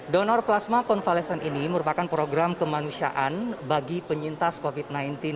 donor plasma konvalesen ini merupakan program kemanusiaan bagi penyintas covid sembilan belas